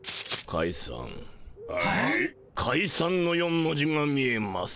「かいさん」の４文字が見えます。